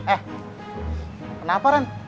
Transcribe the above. eh kenapa ren